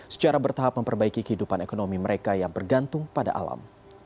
secara bertahap memperbaiki kehidupan ekonomi mereka yang bergantung pada alam